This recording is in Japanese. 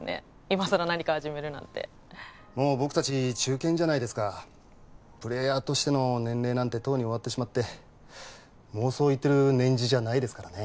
今さら何か始めるなんてもう僕達中堅じゃないですかプレーヤーとしての年齢なんてとうに終わってしまって妄想言ってる年次じゃないですからね